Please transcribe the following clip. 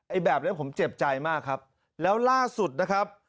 แบบนี้ผมเจ็บใจมากครับแล้วล่าสุดนะครับ